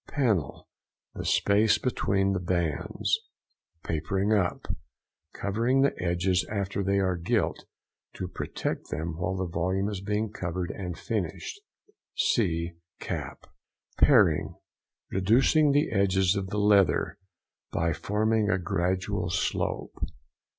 PANEL.—The space between the bands. PAPERING UP.—Covering the edges after they are gilt, to protect them while the volume is being covered and finished (see CAP). PARING.—Reducing the edges of the leather by forming a gradual slope.